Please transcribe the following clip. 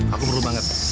aku perlu banget